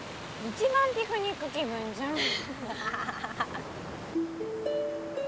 いちばんピクニック気分じゃん。